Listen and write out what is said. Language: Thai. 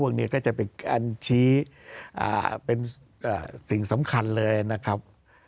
ก็จะเป็นการชี้เป็นสิ่งสำคัญเลยนะครับ